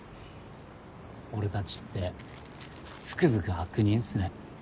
俺たちってつくづく悪人っすね。